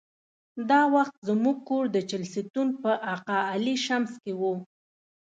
دا وخت زموږ کور د چهلستون په اقا علي شمس کې و.